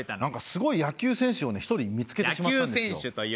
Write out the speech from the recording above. なんかすごい野球選手をね１人見付けてしまったんですよ。